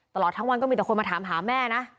ตลอดทั้งวันก็มีแต่คนมาถามหาแม่นะ